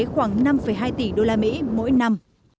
khoảng năm hai tỷ đô la mỹ mỗi năm